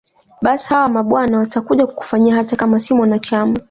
Basi hawa mabwana watakuja kukufanyia hata kama si mwanachama